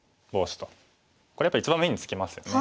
これやっぱり一番目につきますよね。